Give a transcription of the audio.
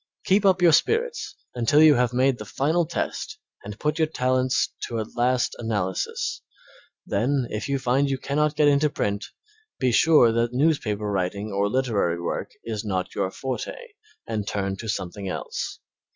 Keep up your spirits until you have made the final test and put your talents to a last analysis, then if you find you cannot get into print be sure that newspaper writing or literary work is not your forte, and turn to something else.